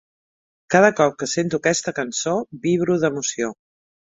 Cada cop que sento aquesta cançó vibro d'emoció.